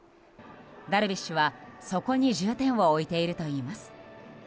ダルビッシュは、そこに重点を置いているといいます。